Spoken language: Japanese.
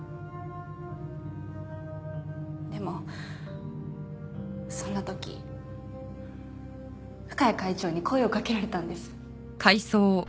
でもそんな時深谷会長に声をかけられたんです。